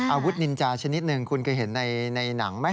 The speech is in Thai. นินจาชนิดหนึ่งคุณเคยเห็นในหนังไหม